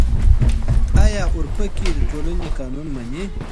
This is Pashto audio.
آيا اورپکي د ټولنې قانون مني؟